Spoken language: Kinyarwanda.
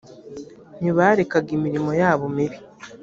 ntibarekaga imirimo yabo mibi